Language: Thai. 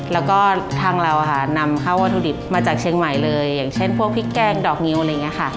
แล้วก็ทางเราค่ะนำเข้าวัตถุดิบมาจากเชียงใหม่เลยอย่างเช่นพวกพริกแกงดอกงิวอะไรอย่างนี้ค่ะ